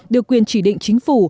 được quyền chỉ định chính phủ